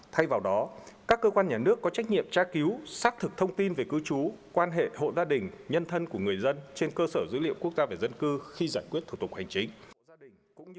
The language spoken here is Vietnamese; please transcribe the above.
thay vào đó các cơ quan nhà nước có trách nhiệm tra cứu xác thực thông tin về cư trú quan hệ hộ gia đình nhân thân của người dân trên cơ sở dữ liệu quốc gia về dân cư khi giải quyết thủ tục hành chính